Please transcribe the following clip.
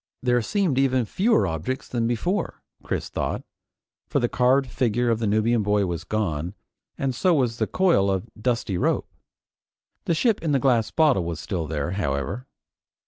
There seemed even fewer objects than before, Chris thought, for the carved figure of the Nubian boy was gone, and so was the coil of dusty rope. The ship in the glass bottle was still there, however.